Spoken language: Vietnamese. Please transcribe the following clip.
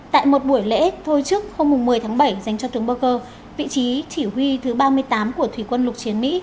tại một buổi lễ thôi trước hôm một mươi tháng bảy dành cho tướng burker vị trí chỉ huy thứ ba mươi tám của thủy quân lục chiến mỹ